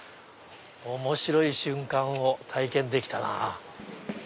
面白い瞬間を体験できたな。